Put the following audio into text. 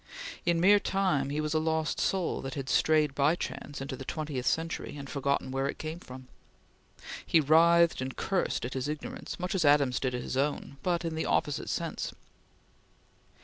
In mere time he was a lost soul that had strayed by chance to the twentieth century, and forgotten where it came from. He writhed and cursed at his ignorance, much as Adams did at his own, but in the opposite sense.